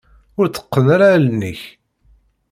Ur tteqqen ara allen-ik.